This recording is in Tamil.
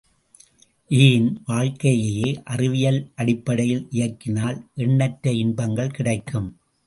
ஏன், வாழ்க்கையையே அறிவியலடிப்படையில் இயக்கினால் எண்ணற்ற இன்பங்கள் கிடைக்கும்.